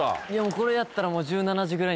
これやったらもう。